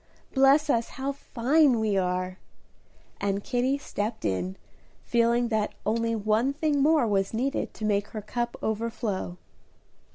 Bless us, how fine we are!" and Kitty stepped in, feeling that only one thing more was needed to make her cup overflow.